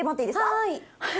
はい。